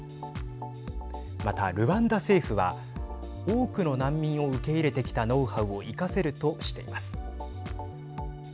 また、ルワンダ政府は多くの難民を受け入れてきたノウハウを生かせるとしています。